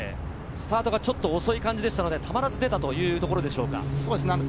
スタートがちょっと遅い感じでしたので、たまらず出たという感じですかね。